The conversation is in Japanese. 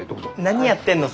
何やってんのさ？